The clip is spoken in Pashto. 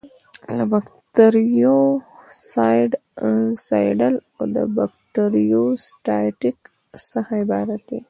له بکټریوسایډل او بکټریوسټاټیک څخه عبارت دي.